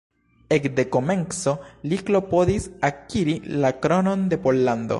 Ekde komenco li klopodis akiri la kronon de Pollando.